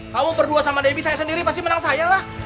kamu berdua sama debbie saya sendiri pasti menang saya lah